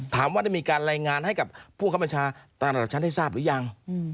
ถามว่าได้มีการรายงานให้กับผู้คับบัญชาตามระดับชั้นได้ทราบหรือยัง